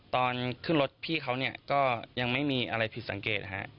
ตอนขึ้นรถพี่เขาเนี่ยก็ยังไม่มีอะไรผิดสังเกตนะฮะ